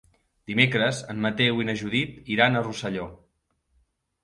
Dimecres en Mateu i na Judit iran a Rosselló.